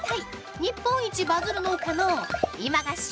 日本一バズる農家の今が旬！